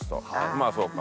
まあそうか。